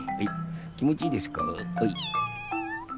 きもちいいですか？